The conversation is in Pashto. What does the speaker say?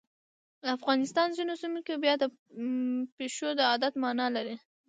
د افغانستان ځینو سیمو کې بیا د پیشو د عادت مانا لري.